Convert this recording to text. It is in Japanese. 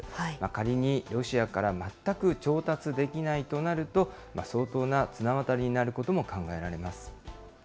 仮にロシアから全く調達できないとなると、相当な綱渡りになることも考えられます。